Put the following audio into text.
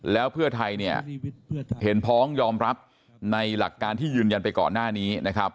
แล้วเพื่อไทยเนี่ยเห็นพ้องยอมรับในหลักการที่ยืนยันไปก่อนหน้านี้นะครับ